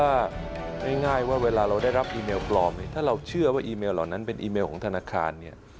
อันนั้นเป็นอีเมลของธนาคาร